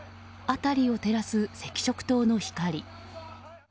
辺りを照らす赤色灯の光。